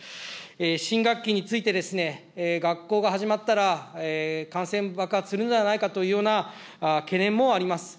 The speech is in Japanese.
新学期について、学校が始まったら、感染爆発するのではないかというような懸念もあります。